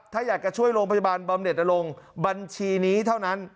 ถ้าอยากจะช่วยโรงพยาบาลบำเน็ตนรงค์บัญชีนี้เท่านั้น